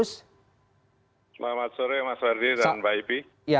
selamat sore mas ferdi dan mbak ipi